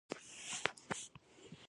د دې بیرغ زموږ کفن دی